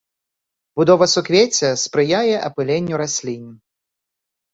Будова суквецця спрыяе апыленню раслін.